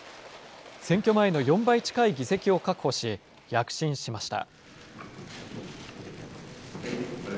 選挙前の４倍近い議席を確保し、躍進しました。